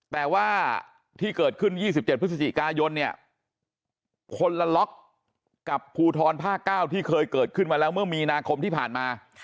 แต่ว่าที่เกิดขึ้น๒๗พฤศจิกายนเนี่ยคนละล็อกกับภูทรภาค๙ที่เคยเกิดขึ้นมาแล้วเมื่อมีนาคมที่ผ่านมา